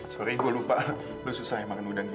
sorry gue lupa lo susah yang makan udang gini